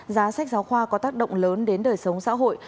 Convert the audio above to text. giá sách giáo khoa có tác động lớn đến đời sống xã hội